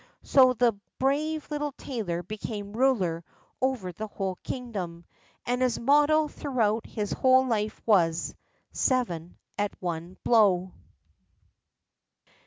So the brave little tailor became ruler over the whole kingdom; and his motto throughout his whole life was, "Seven at one blow."